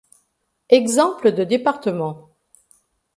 Exemples de départements.